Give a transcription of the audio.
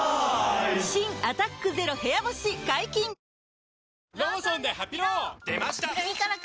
新「アタックＺＥＲＯ部屋干し」解禁‼あ！